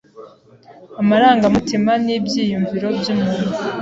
amarangamutima nibyiyumviro byumuntu